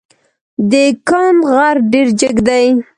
د کند غر ډېر جګ دی.